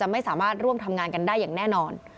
ไม่สามารถร่วมทำงานกันได้อย่างแน่นอน